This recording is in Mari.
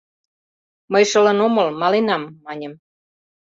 — «Мый шылын омыл, маленам, — маньым.